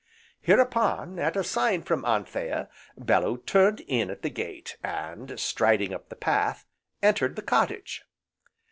Hereupon, at a sign from Anthea, Bellew turned in at the gate, and striding up the path, entered the cottage.